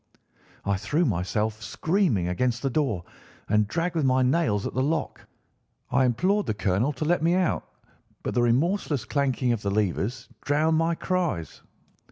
I threw myself, screaming, against the door, and dragged with my nails at the lock. I implored the colonel to let me out, but the remorseless clanking of the levers drowned my cries.